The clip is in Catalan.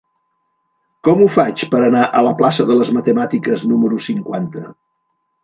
Com ho faig per anar a la plaça de les Matemàtiques número cinquanta?